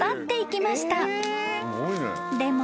［でも］